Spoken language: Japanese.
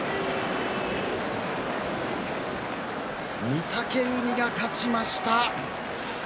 御嶽海が勝ちました。